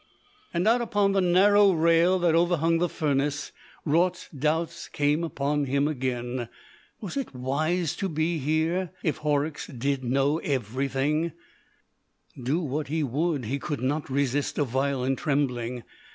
And out upon the narrow rail that overhung the furnace, Raut's doubts came upon him again. Was it wise to be here? If Horrocks did know everything! Do what he would, he could not resist a violent trembling.